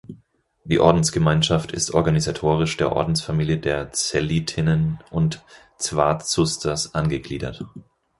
Die Ordensgemeinschaft ist organisatorisch der Ordensfamilie der Cellitinnen und Zwartzusters angegliedert.